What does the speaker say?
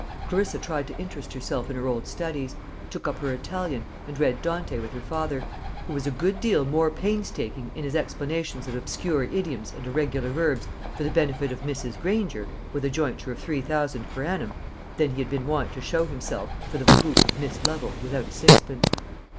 Clarissa tried to interest herself in her old studies; took up her Italian, and read Dante with her father, who was a good deal more painstaking in his explanations of obscure idioms and irregular verbs for the benefit of Mrs. Granger with a jointure of three thousand per annum, than he had been wont to show himself for the behoof of Miss Lovel without a sixpence.